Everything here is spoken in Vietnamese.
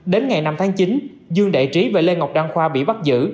đến ngày năm tháng chín dương đại trí và lê ngọc đăng khoa bị bắt giữ